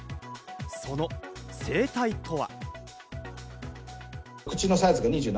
その生態とは？